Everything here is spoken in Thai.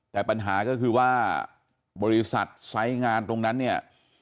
แต่ปัญหาก็คือว่าบริษัทไซส์งานตรงนั้นเนี่ย